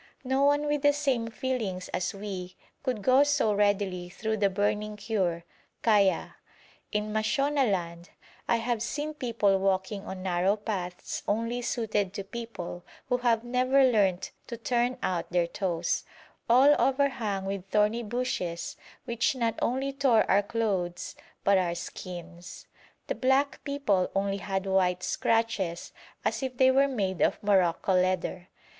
No one with the same feelings as we could go so readily through the burning cure (kayya). In Mashonaland I have seen people walking on narrow paths only suited to people who have never learnt to turn out their toes, all overhung with thorny bushes which not only tore our clothes but our skins. The black people only had white scratches as if they were made of morocco leather.